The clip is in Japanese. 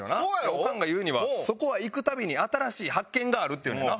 オカンが言うにはそこは行く度に新しい発見があるっていうねんな。